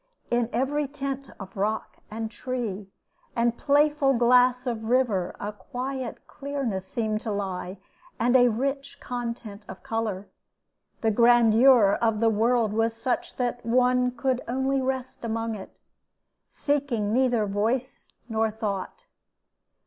In every tint of rock and tree and playful glass of river a quiet clearness seemed to lie, and a rich content of color. The grandeur of the world was such that one could only rest among it, seeking neither voice nor thought.